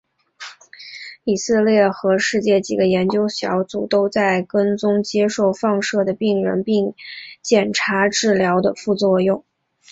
以色列和世界几个研究小组都在跟踪接受放射的病人并检查治疗的副作用。